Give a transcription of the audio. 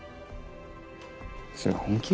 それ本気？